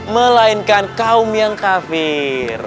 melainkan kaum yang kafir